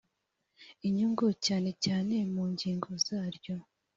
inyungu cyane cyane mu ngingo zaryo